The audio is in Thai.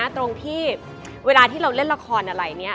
ตรงที่เวลาที่เราเล่นละครอะไรเนี่ย